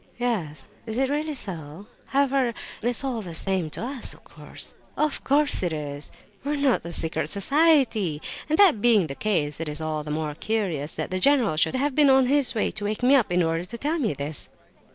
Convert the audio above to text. "Yes. Is it really so? However, it's all the same to us, of course." "Of course it is; we are not a secret society; and that being the case, it is all the more curious that the general should have been on his way to wake me up in order to tell me this."